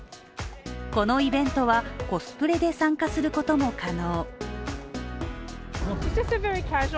このイベントは、コスプレで参加することも可能。